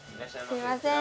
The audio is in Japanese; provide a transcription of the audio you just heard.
すいません。